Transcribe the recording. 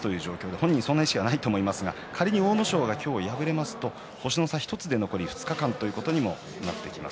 本人はそんな意識はないかもしれませんが仮に阿武咲が今日敗れると星の差１つで残り２日間ということになります。